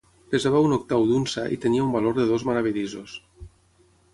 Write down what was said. Pesava un octau d'unça i tenia un valor de dos maravedisos.